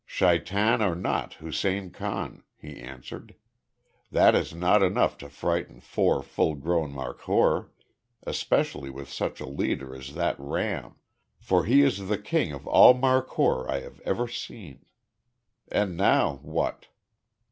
"Shaitan or not, Hussein Khan," he answered, "that is not enough to frighten four full grown markhor, especially with such a leader as that ram, for he is the king of all markhor I have ever seen. And now what?"